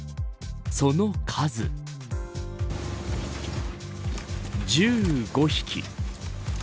その数１５匹。